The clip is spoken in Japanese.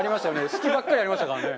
隙ばっかり、ありましたからね。